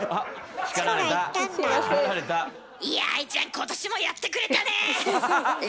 今年もやってくれたねえ！